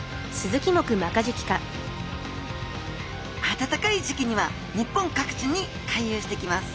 暖かい時期には日本各地に回遊してきます